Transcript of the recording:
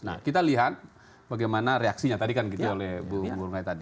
nah kita lihat bagaimana reaksinya tadi kan gitu ya bu